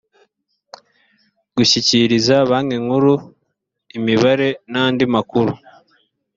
gushyikiriza banki nkuru imibare n’andi makuru